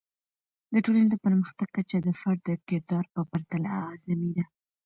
د ټولنې د پرمختګ کچه د فرد د کردار په پرتله اعظمي ده.